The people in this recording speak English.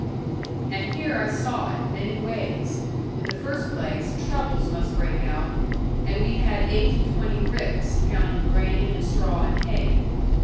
And here I saw it, many ways. In the first place, troubles must break out; and we had eight and twenty ricks; counting grain, and straw, and hay.